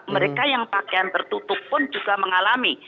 mereka yang pakaian tertutup pun juga mengalami